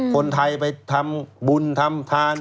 คนไทยไปทำบุญทำทาน